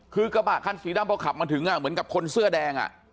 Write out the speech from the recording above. คือกระบะคันสีดำพอขับมาถึงเหมือนกับคนเสื้อแดง